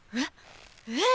えっ？